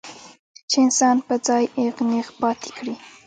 چې انسان پۀ ځائے اېغ نېغ پاتې کړي